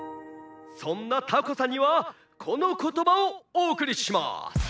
「そんなタコさんにはこのことばをおおくりします！